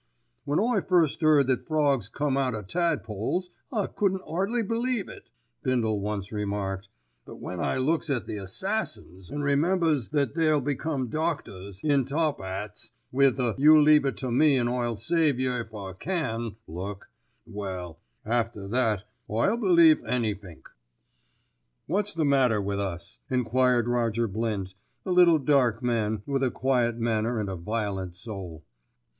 "When I first 'eard that frogs come out o' tadpoles, I couldn't 'ardly believe it," Bindle once remarked, "but when I looks at the Assassins an' remembers that they'll become doctors in top 'ats, with a you leave it to me an' I'll save yer if I can look, well, after that I'll believe anythink." "What's the matter with us?" enquired Roger Blint, a little dark man with a quiet manner and a violent soul.